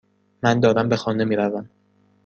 من دارم به خانه میروم.